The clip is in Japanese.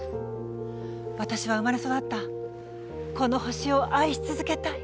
私は生まれ育ったこの地球を愛し続けたい。